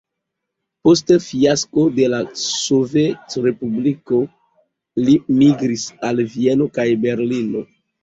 Post fiasko de la sovetrespubliko li migris al Vieno kaj Berlino.